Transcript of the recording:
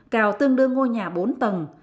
cao tương đương ngôi nhà bốn tầng